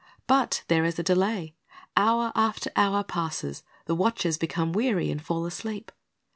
But there is a delay. Hour after hour passes, the watchers become weary, and fall asleep.